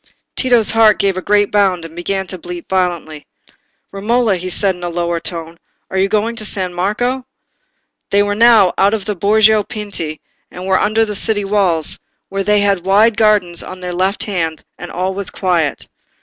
Tito's heart gave a great bound, and began to beat violently. "Romola," he said, in a lower tone, "are you going to San Marco?" They were now out of the Borgo Pinti and were under the city walls, where they had wide gardens on their left hand, and all was quiet.